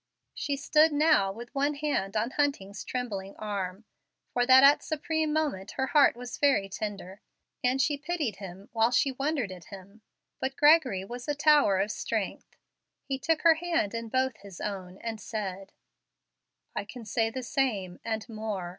She stood now with one hand on Hunting's trembling arm, for at that supreme moment her heart was very tender, and she pitied while she wondered at him. But Gregory was a tower of strength. He took her hand in both his own, and said, "I can say the same, and more.